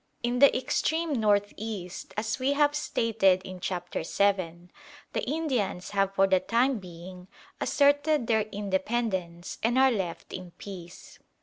In the extreme north east, as we have stated in Chapter VII., the Indians have for the time being asserted their independence and are left in peace.